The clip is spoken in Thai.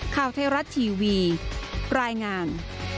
ข้าวไทยรัตน์ทีวีปลายงาน